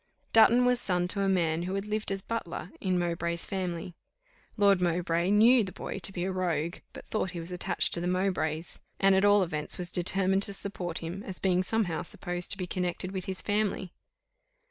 Dutton was son to a man who had lived as butler in Mowbray's family. Lord Mowbray knew the boy to be a rogue, but thought he was attached to the Mowbrays, and at all events was determined to support him, as being somehow supposed to be connected with his family.